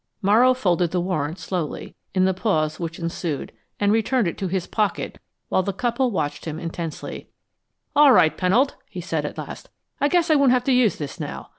Morrow folded the warrant slowly, in the pause which ensued, and returned it to his pocket while the couple watched him tensely. "All right, Pennold," he said, at last. "I guess I won't have to use this now.